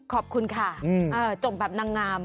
ขอบคุณค่ะจบแบบนางงาม